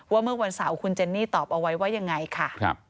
เมื่อวันเสาร์คุณเจนนี่ตอบเอาไว้ว่ายังไงค่ะ